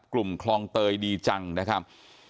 กลุ่มคลองเตยดีจังนะครับ